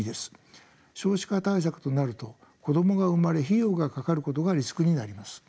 少子化対策となると子どもが生まれ費用がかかることがリスクになります。